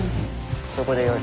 そこでよい。